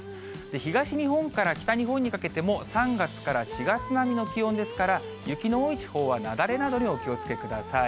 東日本から北日本にかけても３月から４月並みの気温ですから、雪の多い地方は雪崩などにお気をつけください。